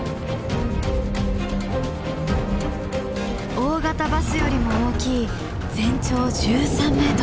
大型バスよりも大きい全長１３ｍ。